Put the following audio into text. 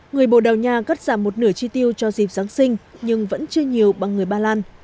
người bồ đào nha cất giảm một nửa chi tiêu cho dịp giáng sinh nhưng vẫn chưa nhiều bằng người ba lan